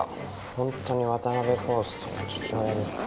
ホントに渡辺康介の父親ですか？